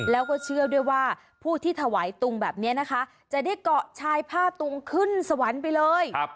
แล้วก็เชื่อด้วยว่าผู้ที่ถวายตุงแบบนี้นะคะจะได้เกาะชายผ้าตุงขึ้นสวรรค์ไปเลย